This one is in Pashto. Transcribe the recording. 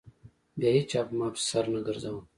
بيا هېچا په ما پسې سر نه گرځاوه.